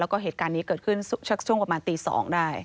แล้วก็เหตุการณ์นี้เกิดขึ้นช่วงประมาณตี๒ได้